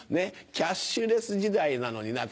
キャッシュレス時代なのにね